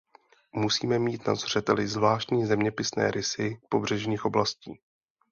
Musíme mít na zřeteli zvláštní zeměpisné rysy pobřežních oblastí.